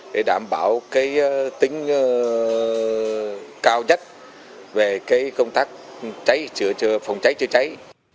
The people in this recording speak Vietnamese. để đảm bảo tính cao nhất về công tác phòng cháy chữa cháy